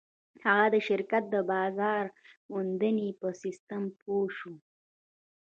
هغه د شرکت د بازار موندنې په سيسټم پوه شو.